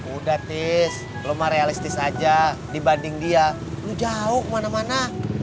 udah tis lemah realistis aja dibanding dia lu jauh kemana mana